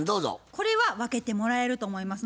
これは分けてもらえると思います。